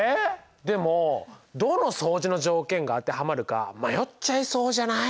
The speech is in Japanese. でもどの相似の条件が当てはまるか迷っちゃいそうじゃない？